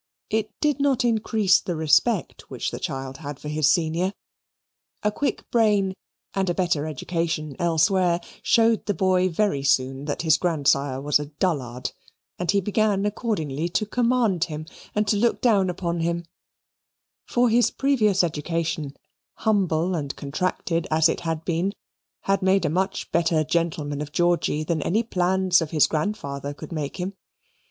It did not increase the respect which the child had for his senior. A quick brain and a better education elsewhere showed the boy very soon that his grandsire was a dullard, and he began accordingly to command him and to look down upon him; for his previous education, humble and contracted as it had been, had made a much better gentleman of Georgy than any plans of his grandfather could make him.